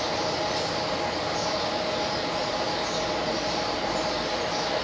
ต้องเติมเนี่ย